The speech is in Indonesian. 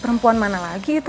perempuan mana lagi itu